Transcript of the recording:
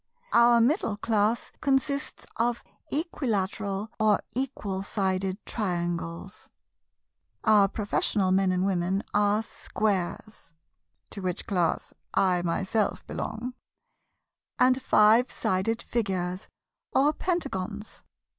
Our Middle Class consists of Equilateral or Equal Sided Triangles. Our Professional Men and Gentlemen are Squares (to which class I myself belong) and Five Sided Figures or Pentagons.